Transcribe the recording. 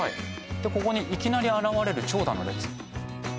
でここにいきなり現れる長蛇の列